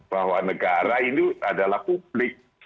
bahwa negara ini adalah publik